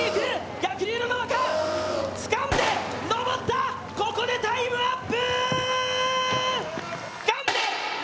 逆流の中、つかんで、登った、ここでタイムアップ！